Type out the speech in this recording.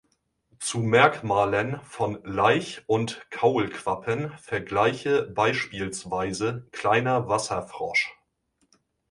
Zu Merkmalen von Laich und Kaulquappen vergleiche beispielsweise Kleiner Wasserfrosch.